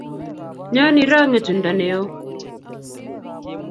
Nyon iroo ng'etundo ne oo.